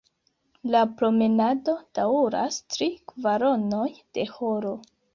La promenado daŭras tri kvaronoj de horo.